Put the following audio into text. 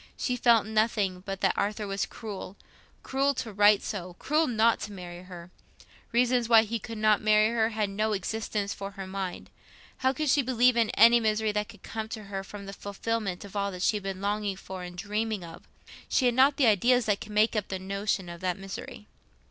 She felt nothing but that Arthur was cruel—cruel to write so, cruel not to marry her. Reasons why he could not marry her had no existence for her mind; how could she believe in any misery that could come to her from the fulfilment of all she had been longing for and dreaming of? She had not the ideas that could make up the notion of that misery.